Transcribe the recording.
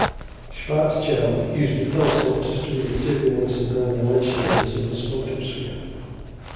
Schwarzschild used the telescope to study the turbulence and granulation in the Sun's photosphere.